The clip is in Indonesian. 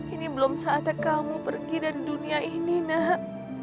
ini belum saatnya kamu pergi dari dunia ini nak